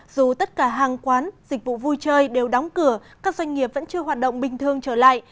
dù tất cả hàng quán dịch vụ vui chơi đều đóng cửa các doanh nghiệp vẫn chưa hoạt động bình thường trở lại